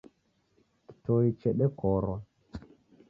Kitoi chedekorwa.